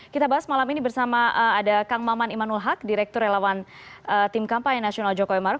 kita bahas malam ini bersama ada kang maman imanul haq direktur relawan tim kampanye nasional jokowi maruf